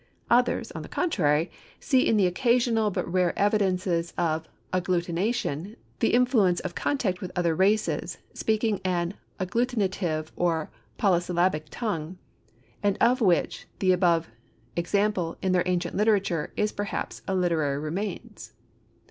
Others, on the contrary, see in the occasional but rare evidences of agglutination, the influence of contact with other races speaking an agglutinative or polysyllabic tongue, and of which the above example in their ancient literature is perhaps a literary remains.